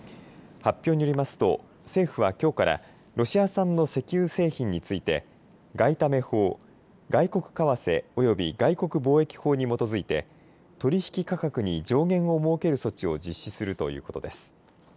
発表によりますと政府はきょうからロシア産の石油製品について外為法・外国為替及び外国貿易法に基づいて取引価格に上限を設ける措置を実施するということです。